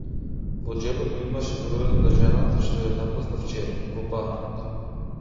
Во џебот го имаше бројот на жената што ја запозна вчера, во барот.